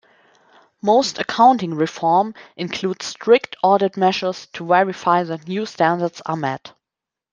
Most accounting reform includes strict audit measures to verify that new standards are met.